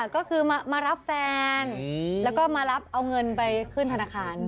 ก็คือมารับแฟนแล้วก็มารับเอาเงินไปขึ้นธนาคาร